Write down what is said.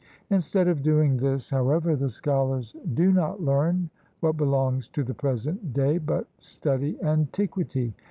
Instead of doing this, however, the scholars do not learn what belongs to the present day, but study antiquity.